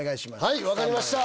はい分かりました。